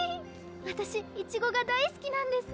わたしいちごが大好きなんです。